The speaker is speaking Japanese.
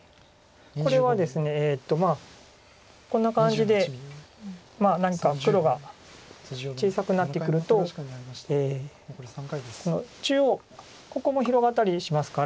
これはですねこんな感じでまあ何か黒が小さくなってくると中央ここも広がったりしますから。